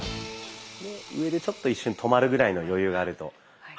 上でちょっと一瞬止まるぐらいの余裕があると。